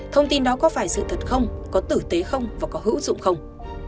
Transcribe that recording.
thông tin đó có phải sự thật không có tử tế không và có hữu dụng không